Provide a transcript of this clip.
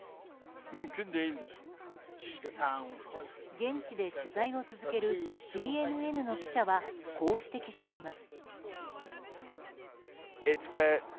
現地で取材を続けるＣＮＮの記者はこう指摘しています。